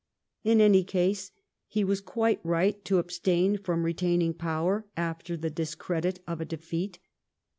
In any case, he was quite right to abstain from retaining power after the discredit of a defeat.